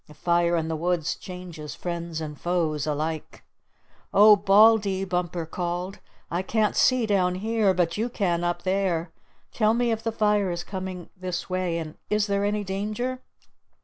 A fire in the woods changes friends and foes alike. "O Baldy," Bumper called, "I can't see down here, but you can up there. Tell me if the fire is coming this way, and is there any danger?"